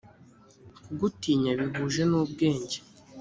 kugutinya bihuje n’ubwenge